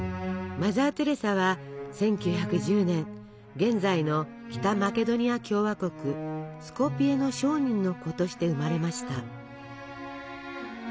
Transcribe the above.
マザー・テレサは１９１０年現在の北マケドニア共和国スコピエの商人の子として生まれました。